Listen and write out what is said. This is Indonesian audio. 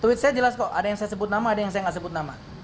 tweet saya jelas kok ada yang saya sebut nama ada yang saya nggak sebut nama